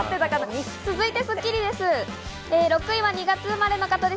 続いてスッキりすです。